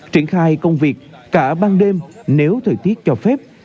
triển khai công việc cả ban đêm nếu thời tiết cho phép